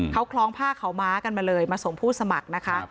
เขาคล้องผ้าขาวม้ากันมาเลยมาส่งผู้สมัครนะคะ